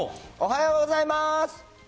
おはようございます。